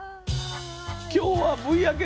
今日はＶあけ